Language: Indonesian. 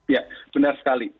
ya benar sekali